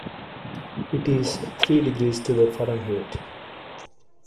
It is three degrees to the Fahrenheit.